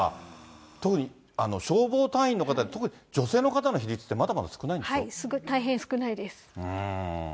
特に消防隊員の方、特に女性の方の比率ってまだまだ少ないんでし大変少ないです。